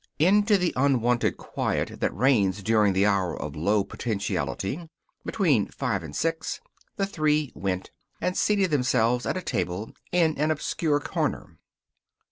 Into the unwonted quiet that reigns during the hour of low potentiality, between five and six, the three went, and seated themselves at a table in an obscure corner.